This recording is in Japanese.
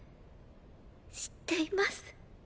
知っています。